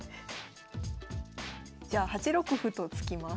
じゃあ８六歩と突きます。